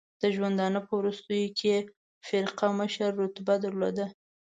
د ژوندانه په وروستیو کې یې فرقه مشر رتبه درلوده.